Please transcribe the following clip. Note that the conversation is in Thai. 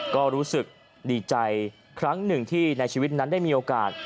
ก็รู้สึกดีใจครั้งหนึ่งที่ในชีวิตนั้นได้มีโอกาส